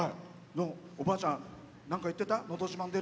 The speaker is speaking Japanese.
おばあちゃん、なんか言ってた？